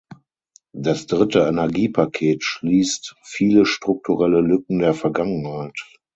Das dritte Energiepaket schließt viele strukturelle Lücken der Vergangenheit.